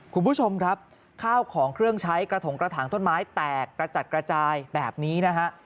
คุณผู้ชมครับข้าวของเครื่องใช้กระถงกระถางต้นไม้แตกกระจัดกระจายแบบนี้นะฮะ